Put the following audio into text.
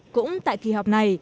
cũng tại kỳ họp này